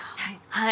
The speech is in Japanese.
はい。